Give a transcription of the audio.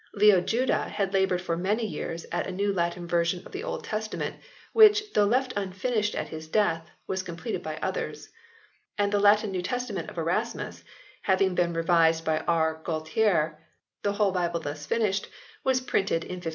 Leo Juda had laboured for many years at a new Latin version of the Old Testament, which though left unfinished at his death was completed by others ; and the Latin New Testament of Erasmus having been revised by R Gualther, the whole Bible thus finished, was printed in 1544.